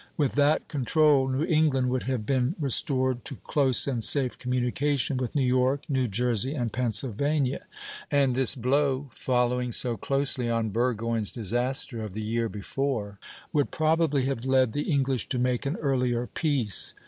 With that control, New England would have been restored to close and safe communication with New York, New Jersey, and Pennsylvania; and this blow, following so closely on Burgoyne's disaster of the year before, would probably have led the English to make an earlier peace.